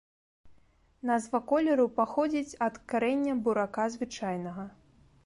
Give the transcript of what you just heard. Назва колеру паходзіць ад карэння бурака звычайнага.